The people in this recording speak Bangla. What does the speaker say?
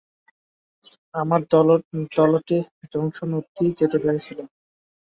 আমার দলও টি-জংশন অব্ধিই যেতে পেরেছিল।